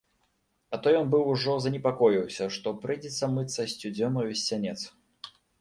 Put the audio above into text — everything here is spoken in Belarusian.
А то ён быў ужо занепакоіўся, што прыйдзецца мыцца сцюдзёнаю з сянец.